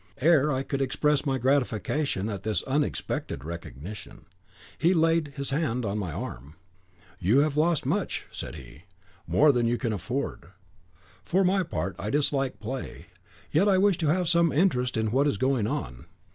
Ere I could express my gratification at this unexpected recognition, he laid his hand on my arm. 'You have lost much,' said he; 'more than you can afford. For my part, I dislike play; yet I wish to have some interest in what is going on.